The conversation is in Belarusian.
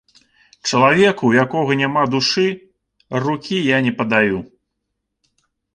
Чалавеку, у якога няма душы, рукі я не падаю.